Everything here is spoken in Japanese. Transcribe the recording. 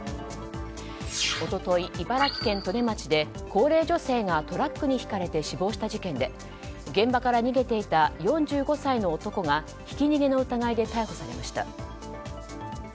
一昨日、茨城県利根町で高齢女性がトラックにひかれて死亡した事件で現場から逃げていた４５歳の男がひき逃げの疑いで逮捕されました。